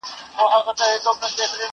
عذاب زغمي او څه نه وايي.